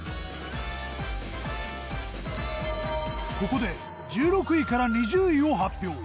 ここで１６位から２０位を発表。